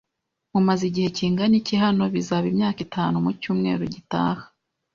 "Mumaze igihe kingana iki hano?" "Bizaba imyaka itanu mu cyumweru gitaha.